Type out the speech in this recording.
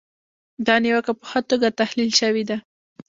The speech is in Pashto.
دا نیوکه په ښه توګه تحلیل شوې ده.